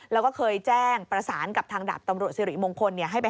แล้วก็เคยแจ้งปราศานกับทางดาบตำรวจเสี่ยงรูเหลียวมงคล